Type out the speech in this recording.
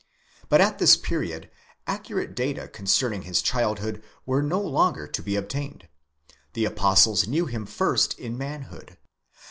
But at this period accurate data concerning his childhood were no longer to be obtained. The apostles knew him first in manhood.